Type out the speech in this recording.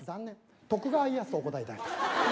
徳川家康とお答えいただいた。